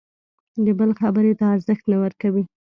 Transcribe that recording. د بل خبرې ته ارزښت نه ورکوي.